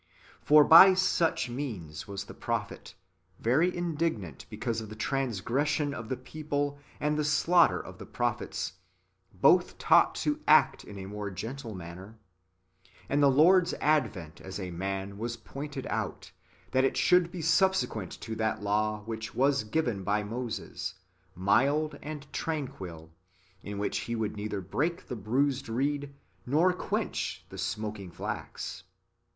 ^ For by such means was the prophet — very indignant, because of the transgression of the people and the slaughter of the prophets — both taught to act in a more gentle manner ; and the Lord's advent as a man was pointed out, that it should be subsequent to that law which was given by Moses, mild and tranquil, in which He would neither break the bruised reed, nor quench the smoking flax.